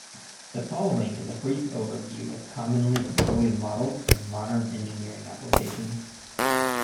The following is a brief overview of commonly employed models in modern engineering applications.